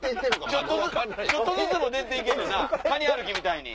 ちょっとずつも出て行けるなかに歩きみたいに。